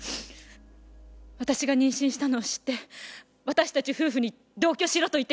私が妊娠したのを知って私たち夫婦に同居しろと言ってきたんです。